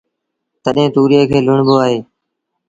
تڏهيݩ تُوريئي کي لُوڻبو اهي